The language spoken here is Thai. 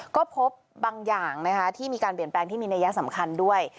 ก็พบบางอย่างที่มีการเปลี่ยนแปลงที่มีนัยสำคัญด้วย